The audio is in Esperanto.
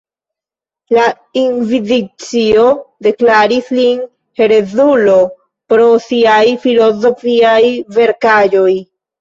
La inkvizicio deklaris lin herezulo pro siaj filozofiaj verkaĵoj.